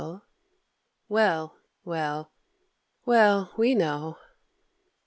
Well, well, well, we know!